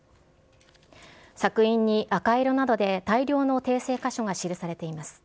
索引に赤色などで大量の訂正箇所が記されています。